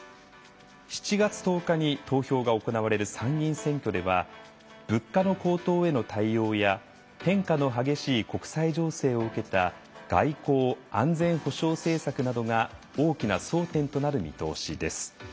「７月１０日に投票が行われる参議院選挙では物価の高騰への対応や変化の激しい国際情勢を受けた外交・安全保障政策などが大きな争点となる見通しです」。